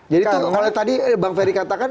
jadi itu kalau tadi bang ferry katakan